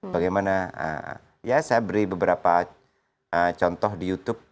bagaimana ya saya beri beberapa contoh di youtube